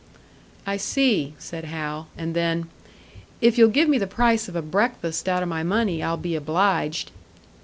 "I see," said Hal. And then, "If you'll give me the price of a breakfast out of my money, I'll be obliged."